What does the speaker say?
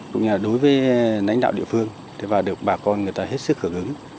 cũng như là đối với nánh đạo địa phương và được bà con người ta hết sức khởi hứng